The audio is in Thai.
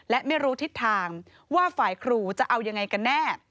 และไม่รู้ทิศทางว่าฝ่ายครูจะเอายังไงกันแน่